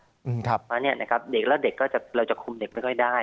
เพราะนี่เราจะคุมเด็กไม่ค่อยได้